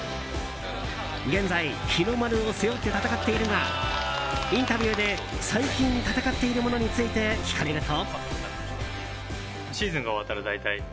現在、日の丸を背負って戦っているが、インタビューで最近闘っているものについて聞かれると。